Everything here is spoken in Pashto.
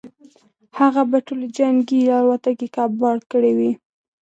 هغه به ټولې جنګي الوتکې کباړ کړې وي.